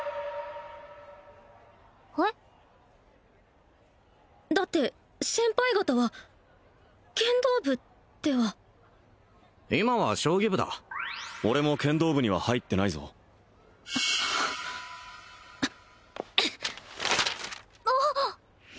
へっ？だって先輩方は剣道部では今は将棋部だ俺も剣道部には入ってないぞあっ！